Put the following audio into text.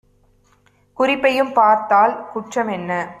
குறிப்பையும் பார்த்தால் குற்ற மென்ன?"